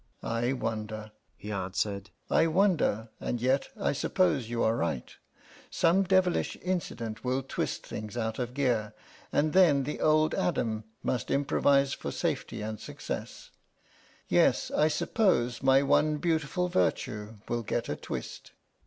"I wonder," he answered, "I wonder,... and yet I suppose you are right. Some devilish incident will twist things out of gear, and then the old Adam must improvise for safety and success. Yes, I suppose my one beautiful virtue will get a twist."